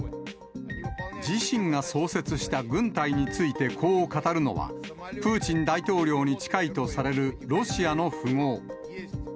自身が創設した軍隊について、こう語るのは、プーチン大統領に近いとされるロシアの富豪。